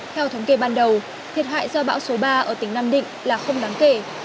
theo thống kê ban đầu thiệt hại do bão số ba ở tỉnh nam định là không đáng kể